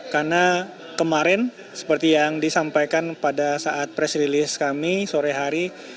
karena kemarin seperti yang disampaikan pada saat press release kami sore hari